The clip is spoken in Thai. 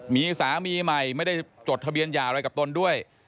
มีสามีใหม่ไม่ได้จดทะเบียนหย่าอะไรกับตนด้วย